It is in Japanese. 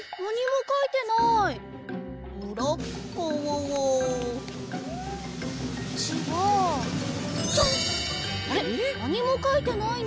なにもかいてないね。